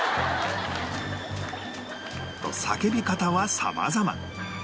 と叫び方は様々